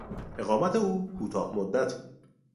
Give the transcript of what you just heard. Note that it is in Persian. اقامت او کوتاه مدت بود.